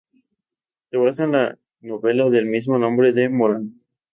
Se basa en la novela del mismo nombre de Moran.